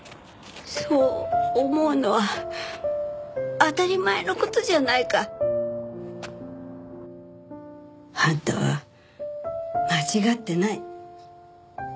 そう思うのは当たり前の事じゃないか。あんたは間違ってない。